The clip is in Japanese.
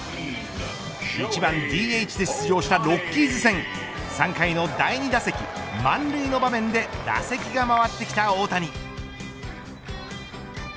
１番ＤＨで出場したロッキーズ戦３回の第２打席満塁の場面で打席が回ってきた大谷。